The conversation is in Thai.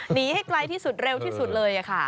หนีให้ไกลที่สุดเร็วที่สุดเลยค่ะ